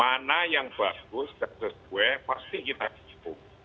karena mana yang bagus dan sesuai pasti kita ikut